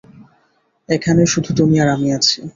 এখানে শুধু তুমি আর আমি আছি।